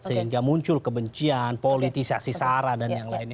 sehingga muncul kebencian politisasi sara dan yang lainnya